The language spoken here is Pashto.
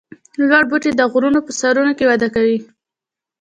لوړ بوټي د غرونو په سرونو کې وده کوي